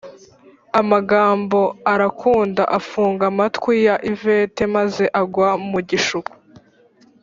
Amagambo arakunda afunga amatwi ya yvette maze agwa mugishuko